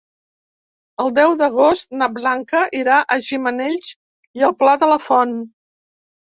El deu d'agost na Blanca irà a Gimenells i el Pla de la Font.